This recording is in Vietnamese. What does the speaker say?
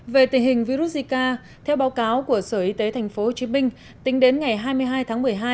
về tình hình virus zika theo báo cáo của sở y tế tp hcm tính đến ngày hai mươi hai tháng một mươi hai